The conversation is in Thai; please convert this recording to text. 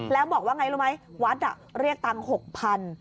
แล้วบอกว่าไงรู้มั้ยวัดอะเรียกบัตร๖๐๐๐ไง